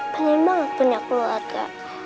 penyembah banget punya keluarga